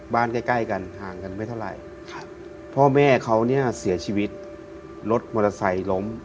ใกล้ใกล้กันห่างกันไม่เท่าไหร่ครับพ่อแม่เขาเนี่ยเสียชีวิตรถมอเตอร์ไซค์ล้ม